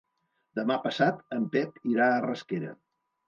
Demà passat en Pep irà a Rasquera.